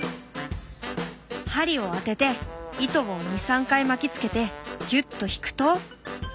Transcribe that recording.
針を当てて糸を２３回巻きつけてぎゅっと引くと。